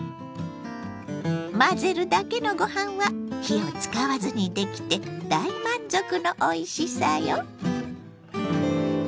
混ぜるだけのご飯は火を使わずにできて大満足のおいしさよ。